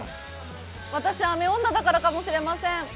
私、雨女だからかもしれません。